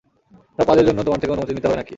সব কাজের জন্য তোমার থেকে অনুমতি নিতে হবে নাকি?